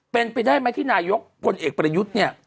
เป็นไปได้ไหมที่นายกพลเอกประยุทธ์เนี่ย